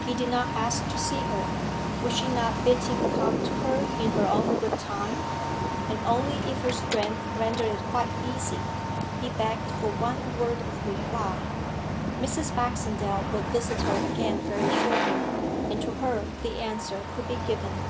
He did not ask to see her; would she not bid him come to her in her own good time? And only if her strength rendered it quite easy, he begged for one word of reply. Mrs. Baxendale would visit her again very shortly, and to her the answer could be given.